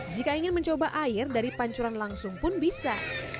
jika ingin mencoba air dari pancuran langsung pun bisa